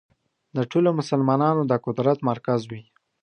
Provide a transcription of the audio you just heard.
د ټولو مسلمانانو د قدرت مرکز وي.